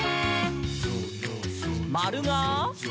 「まるが？」